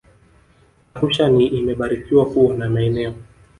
Arusha ni imebarikiwa kuwa na maeneo